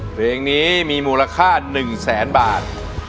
เพลงนี้มีมูลค่า๑แสนบาท